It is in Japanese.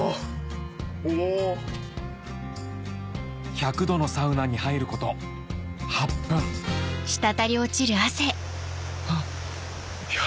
１００℃のサウナに入ること８分あっヤ